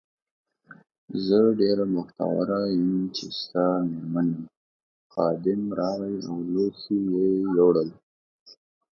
زه ډېره بختوره یم چې ستا مېرمن یم، خادم راغی او لوښي یې یووړل.